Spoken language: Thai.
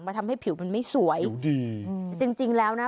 ทำให้ผิวมันไม่สวยอืมจริงจริงแล้วนะ